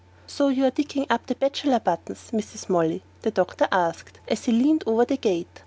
"So you're digging up the bachelor buttons, Mrs. Molly?" the doctor asked as he leaned over the gate.